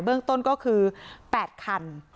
เรื่องต้นก็คือ๘คัน